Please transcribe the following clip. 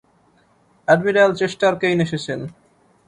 Admiral Chester Kane এসেছেন।